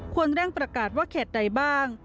ควรเร่งประกาศว่าเขตใดบ้าง